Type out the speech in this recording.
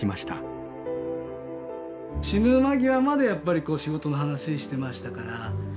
死ぬ間際までやっぱり仕事の話してましたから。